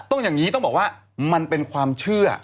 อย่างนี้ต้องบอกว่ามันเป็นความเชื่อ